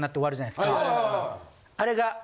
あれが。